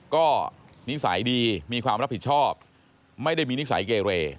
ก็นิสัยดีมีความรับผิดชอบไม่ได้มีนิสัยเกเร